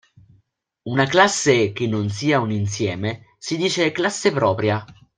Una classe che non sia un insieme si dice classe propria.